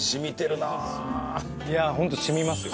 いやあホント染みますよ。